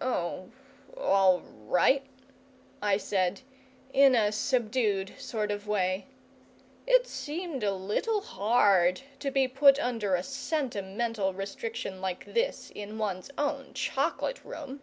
"Oh, all right," I said, in a subdued sort of way. It seemed a little hard to be put under a sentimental restriction like this in one's own Chocolate room.